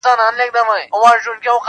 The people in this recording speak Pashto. • حقيقت د سور للاندي ورک کيږي او غلي کيږي,